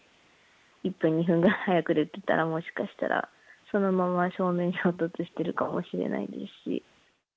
１分、２分ぐらい早く出ていたら、もしかしたらそのまま正面衝突してるかもしれないですし。